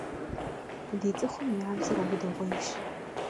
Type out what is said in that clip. Ди цӀыхум я бзэр убыдыгъуейщ.